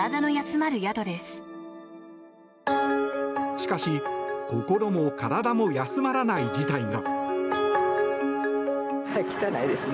しかし、心も体も休まらない事態が。